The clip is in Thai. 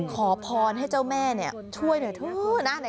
ขอพรให้เจ้าแม่เนี่ยช่วยหน่อยนะ